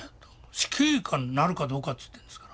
死刑になるかどうかっつってるんですから。